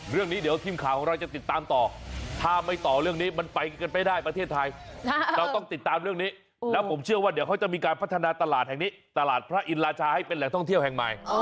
เรื่องนี้เดี๋ยวทีมข่าวของเราจะติดตามต่อถ้าไม่ต่อเรื่องนี้มันไปกันไม่ได้ประเทศไทยเราต้องติดตามเรื่องนี้แล้วผมเชื่อว่าเดี๋ยวเขาจะมีการพัฒนาตลาดแห่งนี้ตลาดพระอินราชาให้เป็นแหล่งท่องเที่ยวแห่งใหม่